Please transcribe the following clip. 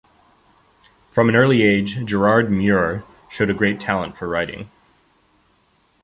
From an early age, Gerard Mur showed a great talent for writing.